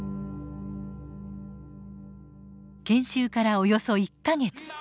研修からおよそ１か月。